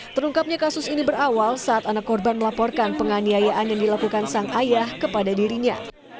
terungkapnya kasus ini berawal saat anak korban melaporkan penganiayaan yang dilakukan sang ayah kepada dirinya